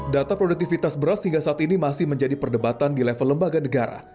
data produktivitas beras hingga saat ini masih menjadi perdebatan di level lembaga negara